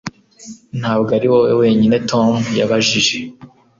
Ntabwo ari wowe wenyine Tom yabajije